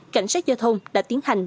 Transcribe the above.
cảnh sát giao thông đã tiến hành